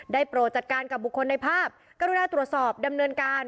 โปรดจัดการกับบุคคลในภาพกรุณาตรวจสอบดำเนินการ